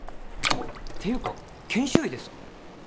ていうか研修医ですか？